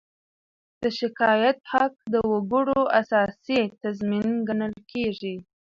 د شکایت حق د وګړو اساسي تضمین ګڼل کېږي.